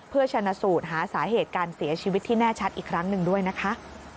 เพื่อชนะสูตรหาสาเหตุการเสียชีวิตที่แน่ชัดอีกครั้งหนึ่งด้วยนะคะ